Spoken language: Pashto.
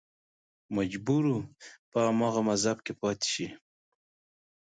مجبور و په هماغه مذهب کې پاتې شي